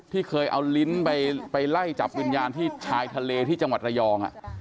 ที่เคยเอาลิ้นไปไล่จับวิญญาณที่ชายทะเลที่จังหวัดระยอง